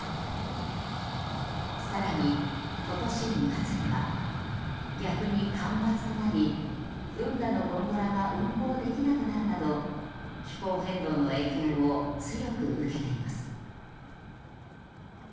更に今年２月には逆に干ばつとなり運河のゴンドラが運航できなくなるなど気候変動の影響を強く受けています。